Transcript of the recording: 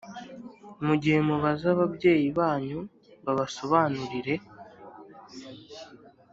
muge mubaza ababyeyi banyu babasobanurire